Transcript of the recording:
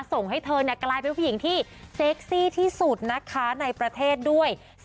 ส่งให้เธอกลายเป็นผู้หญิงที่เซ็กซี่ที่สุดนะคะในประเทศด้วย